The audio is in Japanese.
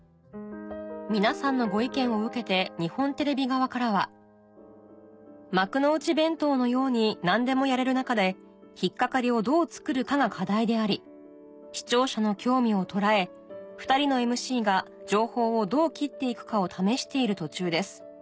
皆さんのご意見を受けて日本テレビ側からは「幕の内弁当のように何でもやれる中で引っかかりをどう作るかが課題であり視聴者の興味を捉え２人のＭＣが情報をどう斬っていくかを試している途中です」